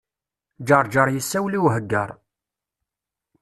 Ǧeṛǧeṛ yessawel i Uheggaṛ.